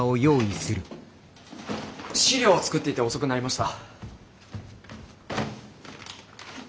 資料を作っていて遅くなりました。